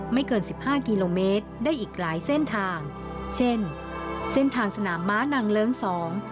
เกินสิบห้ากิโลเมตรได้อีกหลายเส้นทางเช่นเส้นทางสนามม้านางเลิ้งสอง